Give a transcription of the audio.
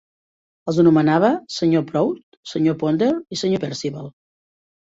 Els anomena Sr. Proud, Sr. Ponder i Sr. Percival.